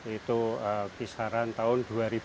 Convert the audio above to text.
itu kisaran tahun dua ribu dua